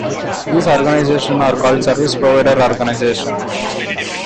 These organizations are called service provider organizations.